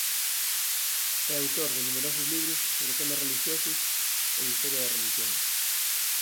É autor de numerosos libros sobre temas relixiosos e de historia da relixión.